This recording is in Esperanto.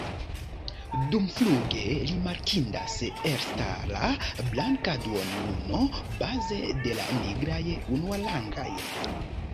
Dumfluge rimarkindas elstara blanka duonluno, baze de la nigraj unuarangaj.